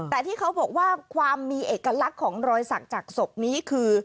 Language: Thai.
แต่ที่เขาบอกว่าความมีเอกลักษณ์ของรอยสักจากศพนี้คือ